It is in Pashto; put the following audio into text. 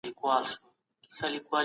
په دغه کوڅې کي یو نوی کلینیک جوړ سوی دی.